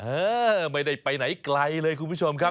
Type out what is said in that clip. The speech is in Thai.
เอ่อไม่ได้ไปไหนไกลเลยครับพี่นิกขาว